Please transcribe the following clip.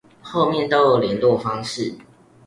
後面都有連絡方式